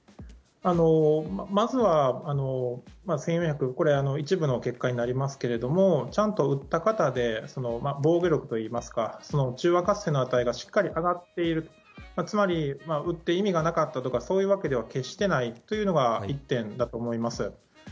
まずは１４００、これ、一部の結果になりますけれども、ちゃんと打った方で防御力といいますか、その中和活性の値がしっかり上がっている、つまり、打って意味がなかったとか、そういうわけでは決してないというのが一点だと思います。